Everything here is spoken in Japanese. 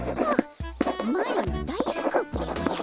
マロの大スクープでおじゃる。